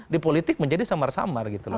di politik menjadi samar samar